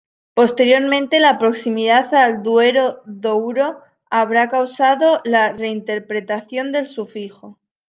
Posteriormente, la proximidad al Duero-Douro habrá causado la reinterpretación del sufijo.